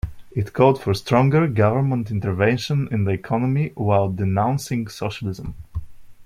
It called for stronger government intervention in the economy, while denouncing socialism.